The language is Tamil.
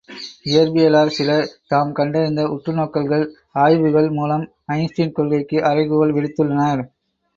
இயற்பியலார் சிலர் தாம் கண்டறிந்த உற்றுநோக்கல்கள் ஆய்வுகள் மூலம் ஐன்ஸ்டீன் கொள்கைக்கு அறைகூவல் விடுத்துள்ளனர்.